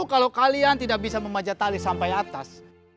kalau kalian tidak bisa memanjat tali sampai atas